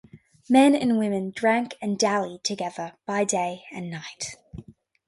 Men and women drank and dallied together by day and night.